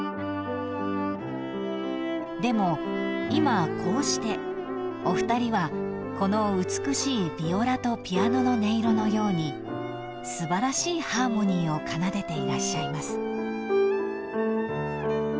［でも今こうしてお二人はこの美しいビオラとピアノの音色のように素晴らしいハーモニーを奏でていらっしゃいます］